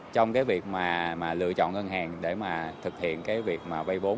trong cái việc mà lựa chọn ngân hàng để mà thực hiện cái việc mà vay vốn